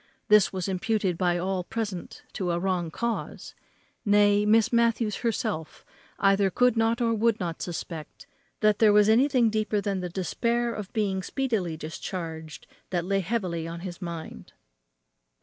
This was imputed by all present to a wrong cause; nay, Miss Matthews herself either could not or would not suspect that there was anything deeper than the despair of being speedily discharged that lay heavy on his mind.